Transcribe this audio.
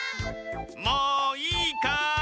もういいかい？